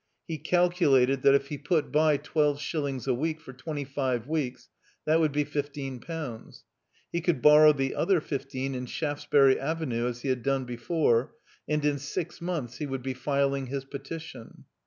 He calculated that if he put by twelve shillings a week for twenty five weeks that would be fifteen pounds. He could borrow the other fifteen in Shaftesbury Avenue as he had done before, and in six months he would be filing his petition.